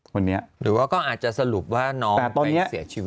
คนนี้หรือว่าก็อาจจะสรุปว่าน้องไปเสียชีวิตเอง